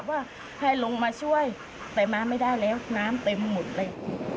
ว่าให้ลงมาช่วยแต่มาไม่ได้แล้วน้ำเต็มหมดเลย